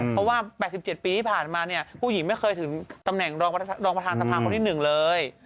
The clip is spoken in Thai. เพราะว่า๘๗ปีที่ผ่านมาเนี่ยผู้หญิงไม่เคยถึงตำแหน่งรองประธานสภาคนที่๑เลย